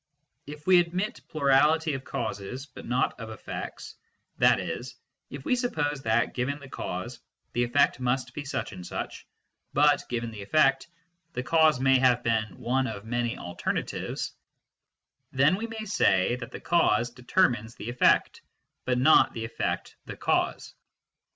If we admit plurality of causes, but not of effects, that is, if we suppose that, given the cause, the effect must be such and such, but, given the effect, the ON THE NOTION OF CAUSE 191 cause may have been one of many alternatives, then we may say that the cause determines the effect, but not the effect the cause.